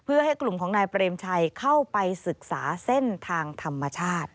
เพื่อให้กลุ่มของนายเปรมชัยเข้าไปศึกษาเส้นทางธรรมชาติ